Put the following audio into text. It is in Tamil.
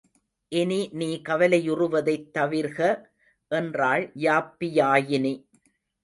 இனி நீ கவலையுறுவதைத் தவிர்க என்றாள் யாப்பியாயினி.